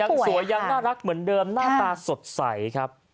ยังสวยยังน่ารักเหมือนเดิมหน้าตาสดใสครับ